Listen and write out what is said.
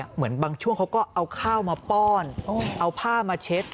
เหมือนบางช่วงเขาก็เอาข้าวมาป้อนเอาผ้ามาเช็ด